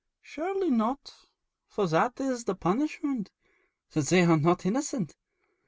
'Surely not; for that is the punishment that they are not innocent.